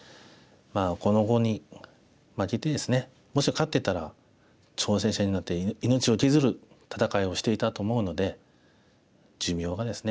この碁に負けてですねもし勝ってたら挑戦者になって命を削る戦いをしていたと思うので。